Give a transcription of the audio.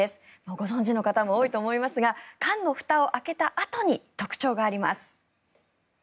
ご存じの方も多いと思いますが缶のふたを開けたあとに特徴があります。